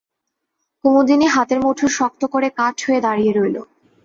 কুমুদিনী হাতের মুঠো শক্ত করে কাঠ হয়ে দাঁড়িয়ে রইল।